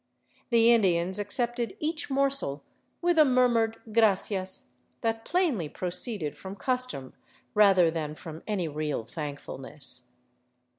The Indians accepted each morsel with a murmured " Gracias " that plainly proceeded from custom rather than from any real thankfulness.